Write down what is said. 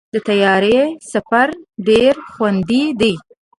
د طیارې سفر ډېر خوندي دی.